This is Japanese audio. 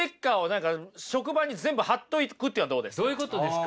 どういうことですか？